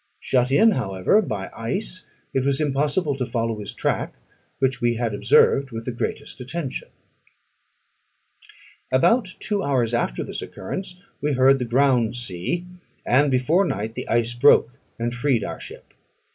Shut in, however, by ice, it was impossible to follow his track, which we had observed with the greatest attention. About two hours after this occurrence, we heard the ground sea; and before night the ice broke, and freed our ship.